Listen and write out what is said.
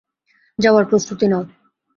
যাওয়ার প্রস্তুতি নাও।